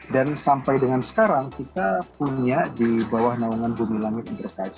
dan sampai dengan sekarang kita punya di bawah naungan bunga langit